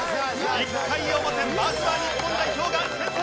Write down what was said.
１回表まずは日本代表が先制！